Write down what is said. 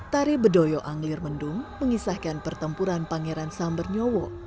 tari bedoyo anglir mendung mengisahkan pertempuran pangeran sambernyowo